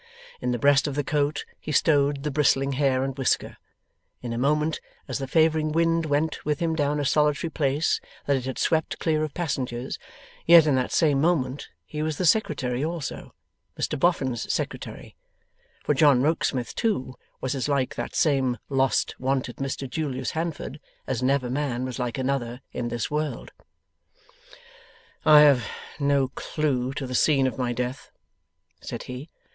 In the breast of the coat he stowed the bristling hair and whisker, in a moment, as the favouring wind went with him down a solitary place that it had swept clear of passengers. Yet in that same moment he was the Secretary also, Mr Boffin's Secretary. For John Rokesmith, too, was as like that same lost wanted Mr Julius Handford as never man was like another in this world. 'I have no clue to the scene of my death,' said he.